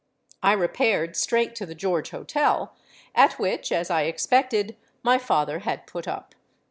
I repaired straight to the George Hotel, at which, as I expected, my father had put up.